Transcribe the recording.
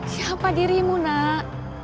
siapa dirimu nak